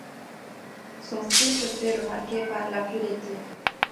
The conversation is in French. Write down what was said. Son style se fait remarquer par la pureté.